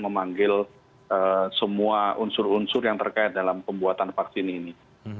memanggil semua unsur unsur yang terkait dalam pembuatan vaksin ini